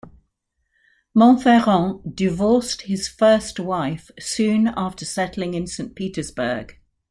Monferrand divorced his first wife soon after settling in Saint Petersburg.